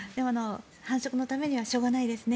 繁殖のためにはしょうがないですね。